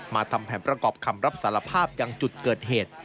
ทำแผนประกอบคำรับสารภาพยังจุดเกิดเหตุ